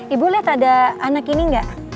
ibu lihat ada anak ini nggak